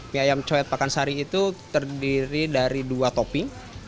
mie ayam cowet pekansari itu terdiri dari dua topping